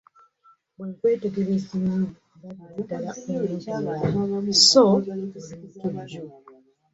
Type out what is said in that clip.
Bwe nkwetegereza ennyo ndabira ddala omuntumulamu so oli mutujju.